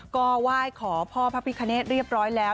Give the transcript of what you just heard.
ก็ว่าขอพ่อพระพิทธิ์คณส์เรียบร้อยแล้ว